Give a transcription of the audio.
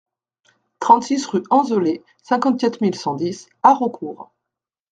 trente-six rue Hanzelet, cinquante-quatre mille cent dix Haraucourt